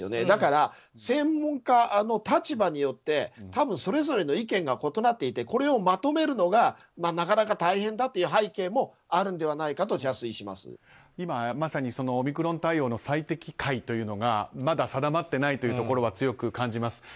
だから、専門家の立場によってそれぞれの意見が異なっていてこれをまとめるのがなかなか大変だという背景もあるのではないかと今、まさにオミクロン対応の最適解というのがまだ定まっていないところは強く感じます。